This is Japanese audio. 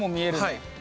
はい。